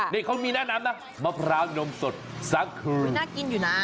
นี่เขามีแนะนำนะมะพร้าวนมสด๓คืนน่ากินอยู่นะ